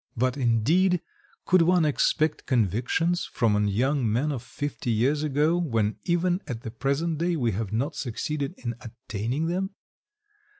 But, indeed, could one expect convictions from a young man of fifty years ago, when even at the present day we have not succeeded in attaining them?